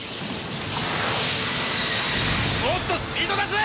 もっとスピード出せ！